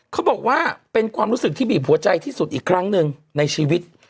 เขาบอกว่าเป็นความรู้สึกที่บีบหัวใจที่สุดอีกครั้งหนึ่งในชีวิต